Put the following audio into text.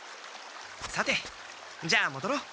さてじゃあもどろう。